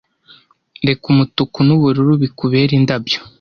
reka umutuku n'ubururu bikubere indabyo